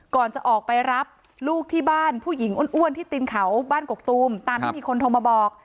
ก่อนจะออกไปรับลูกที่บ้านผู้หญิงอ้วนที่ตินเขาบ้านกกตูมตามที่มีคนโทรมาบอก